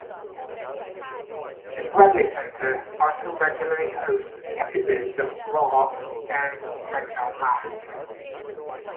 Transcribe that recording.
The Bradley Center also regularly hosts episodes of "Raw" and "SmackDown Live".